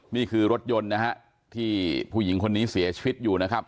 นี่คือรถยนต์นะฮะที่ผู้หญิงคนนี้เสียชีวิตอยู่นะครับ